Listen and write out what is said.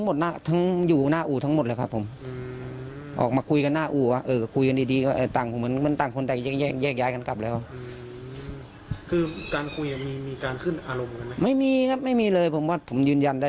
หรือเป็นการคุยกับอารมณ์ร้อนไม่ได้